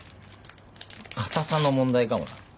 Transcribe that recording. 硬さの問題かもな。